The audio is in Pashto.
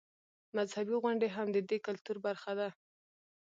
مذهبي غونډې هم د دې کلتور برخه ده.